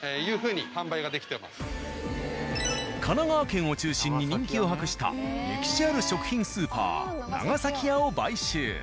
神奈川県を中心に人気を博した歴史ある食品スーパー「長崎屋」を買収。